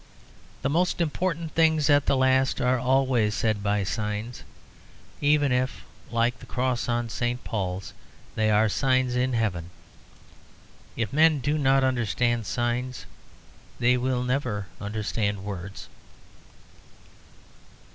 The most important things at the last are always said by signs, even if, like the Cross on St. Paul's, they are signs in heaven. If men do not understand signs, they will never understand words.